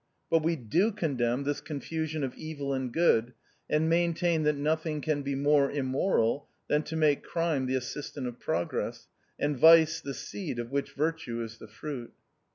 But we do condemn this confusion of evil and good, and maintain that nothing can be more immoral than to make crime the assistant of progress, and vice the seed of which virtue is the fruit.